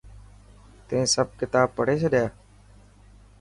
تين سڀ ڪتاب پڙهي ڇڏيا؟